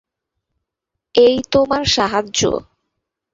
এই তোমার সাহায্য!